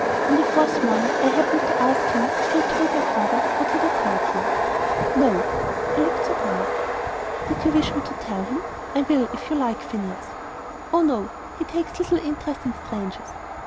On the fourth morning, I happened to ask him if he had told my father what had occurred here? "No." I looked surprised. "Did you wish me to tell him? I will, if you like, Phineas." "Oh, no. He takes little interest in strangers."